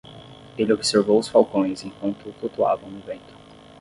Ele observou os falcões enquanto flutuavam no vento.